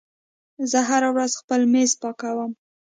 زه هره ورځ خپل میز پاکوم.